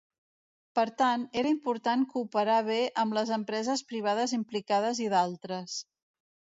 Per tant, era important cooperar bé amb les empreses privades implicades i d'altres.